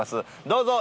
どうぞ！